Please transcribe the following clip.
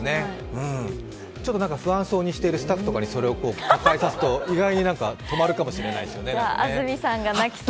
ちょっと、なんか不安そうにしているスタッフとかにそれを抱えさすと、意外に止まるかもしれないですよね。